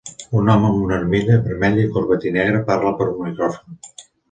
Un home amb una armilla vermella i corbatí negre parla per un micròfon.